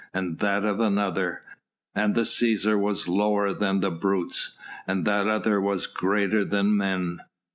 and that of another ... and the Cæsar was lower than the brutes and that other was greater than men.